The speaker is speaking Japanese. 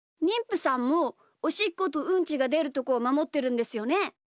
にんぷさんもおしっことうんちがでるとこをまもってるんですよね？